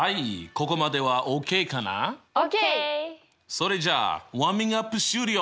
それじゃあウォーミングアップ終了！